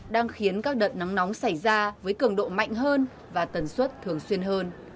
đang khiến các đợt nắng nóng xảy ra với cường độ mạnh hơn và tần suất thường xuyên hơn